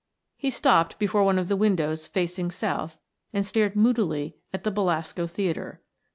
He stopped before one of the windows facing south and stared moodily at the Belasco Theater.